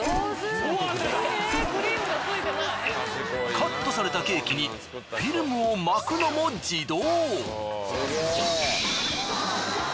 カットされたケーキにフィルムを巻くのも自動。